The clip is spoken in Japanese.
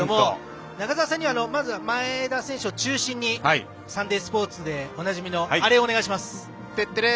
中澤さんには、前田選手を中心に「サンデースポーツ」でおなじみのあれをお願いします。